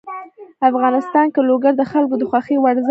افغانستان کې لوگر د خلکو د خوښې وړ ځای دی.